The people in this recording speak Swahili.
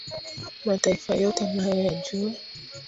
Mataifa yote nayo yajue.